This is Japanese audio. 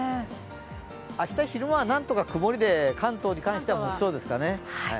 明日昼間はなんとか曇りで関東に関しては持ちそうですかね。